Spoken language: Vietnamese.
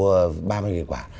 à mua ba mươi nghìn quả